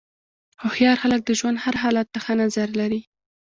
هوښیار خلک د ژوند هر حالت ته ښه نظر لري.